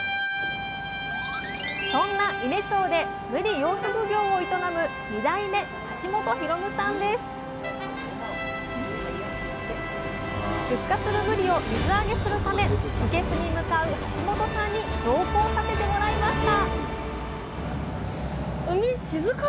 そんな伊根町でぶり養殖業を営む２代目出荷するぶりを水揚げするためいけすに向かう橋本さんに同行させてもらいました